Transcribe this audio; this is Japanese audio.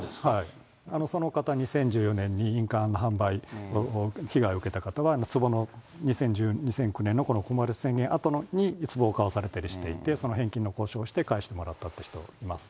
その方、２０１４年に印鑑販売被害を受けた方は、つぼの２００９年のこの宣言のあとにつぼを買わされてる人もいて、その返金の交渉をして返してもらったって人います。